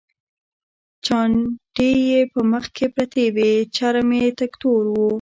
چانټې یې په منځ کې پرتې وې، چرم یې تک تور و.